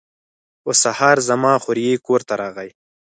په سهار زما خوریی کور ته راغی.